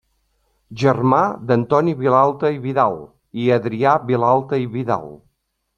Germà d'Antoni Vilalta i Vidal i Adrià Vilalta i Vidal.